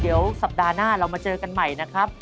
เดี๋ยวสัปดาห์หน้าเรามาเจอกันใหม่นะครับ